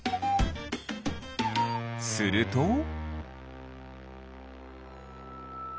すると。